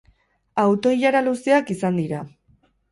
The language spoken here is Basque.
Auto-ilara luzeak izan dira.